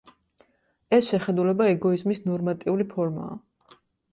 ეს შეხედულება ეგოიზმის ნორმატიული ფორმაა.